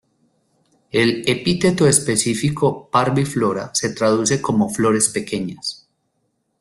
El epíteto específico "parviflora" se traduce como "flores pequeñas".